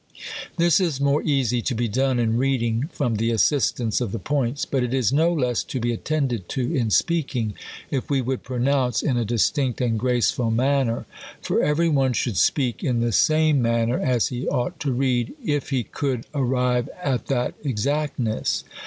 This is more easy to be done in reading, from the assistance of the points ; but it is no less to be attended to in speaking, if w^e would pronounce in a distinct and graceful manner. For every one should speak in the same manner as he ought to read, if he could ar rive at that exactness.